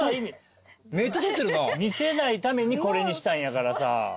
見せないためにこれにしたんやからさ。